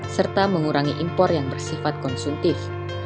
serta mengurangi impor yang bersifat konsumtif